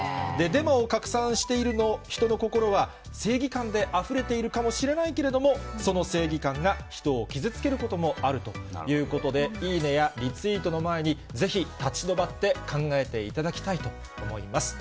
デマを拡散している人の心は、正義感であふれているかもしれないけれども、その正義感が人を傷つけることもあるということで、いいねや、リツイートの前に、ぜひ立ち止まって考えていただきたいと思います。